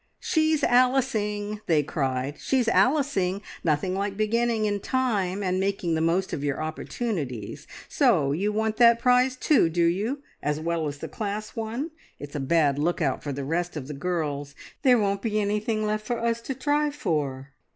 "She's Alicing," they cried "she's Alicing! Nothing like beginning in time, and making the most of your opportunities. So you want that prize too, do you, as well as the class one? It's a bad lookout for the rest of the girls. There won't be anything left for us to try for."